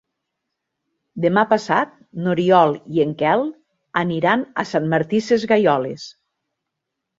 Demà passat n'Oriol i en Quel aniran a Sant Martí Sesgueioles.